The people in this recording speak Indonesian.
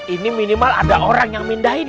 ini minimal ada orang yang mindahin